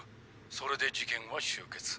それで事件は終結。